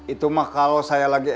itu mah kalau saya lagi